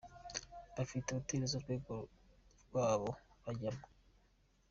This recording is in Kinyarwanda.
bafite hoteli z’urwego rwabo bajyamo.